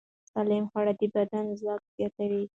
سالم خواړه د بدن ځواک زیاتوي.